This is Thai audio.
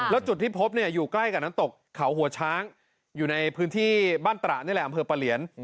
แล้วจุดที่พบเนี่ยอยู่ใกล้กับน้ำตกเขาหัวช้างอยู่ในพื้นที่บ้านตระนี่แหละอำเภอปะเหลียน